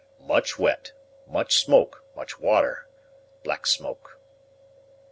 "Much wet much smoke; much water black smoke."